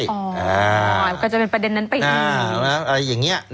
อ๋อก็จะเป็นประเด็นนั้นไปอ่าอะไรอย่างเงี้ยนะฮะ